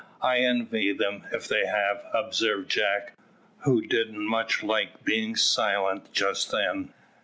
"I envy them if they have," observed Jack, who didn't much like being silent just then.